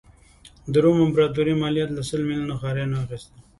د روم امپراتوري مالیات له سل میلیونه ښاریانو اخیستل.